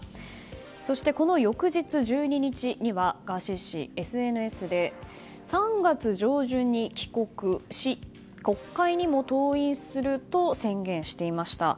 そして、この翌日１２日にはガーシー氏、ＳＮＳで３月上旬に帰国し国会にも登院すると宣言していました。